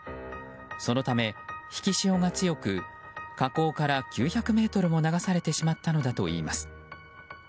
そのため、引き潮が強く河口から９００ｍも流されてしまったのだといいます。